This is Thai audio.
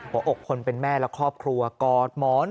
หัวอกคนเป็นแม่และครอบครัวกอดหมอน